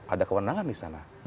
ada keundangan di sana